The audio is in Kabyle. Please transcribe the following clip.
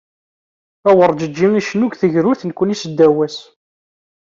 Awerǧeǧǧi icennu deg tegrurt, nekni seddaw-as.